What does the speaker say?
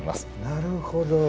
なるほど。